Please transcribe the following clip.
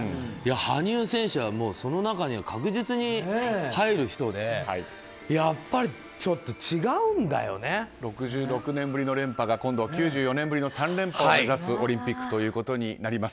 羽生選手はその中に確実に入る人で６６年ぶりの連覇が今度９４年ぶりの３連覇を目指すオリンピックとなります。